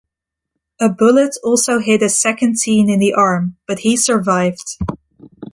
A bullet also hit a second teen in the arm, but he survived.